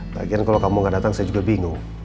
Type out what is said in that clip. bagian kalau kamu gak datang saya juga bingung